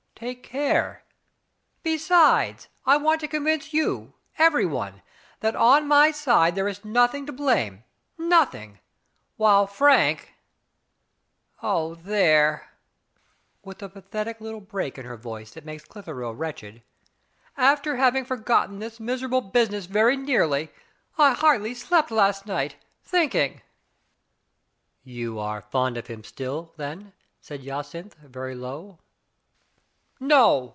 Take care/' "Besides, I want to convince you — everyone — that on'my side there is nothing to blame, noth ing — while, Frank — oh, there" — with a pathetic little break in her voice that makes Clitheroe wretched — "after having forgotten this miserable business very nearly — I hardly slept last night — thinking/* "You are fond of him still, then?" said Jacynth, very low. "No